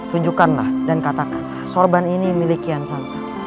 tunjukkanlah dan katakanlah sorban ini milik kian santa